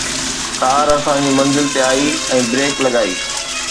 ڪار اسان جي منزل تي آئي ۽ بريڪ لڳائي